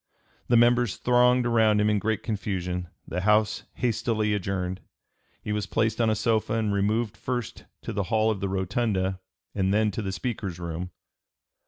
The members thronged around him in great confusion. The House hastily adjourned. He was placed on a sofa and removed first to the hall of the rotunda and then to the Speaker's room.